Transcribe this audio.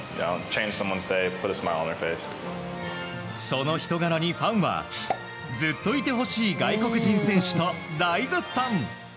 その人柄にファンはずっといてほしい外国人選手と大絶賛。